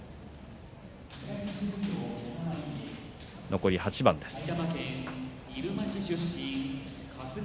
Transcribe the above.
残り８番です。